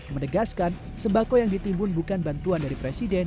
menegaskan sembako yang ditimbun bukan bantuan dari presiden